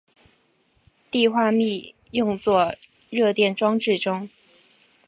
碲化铋用作热电装置中。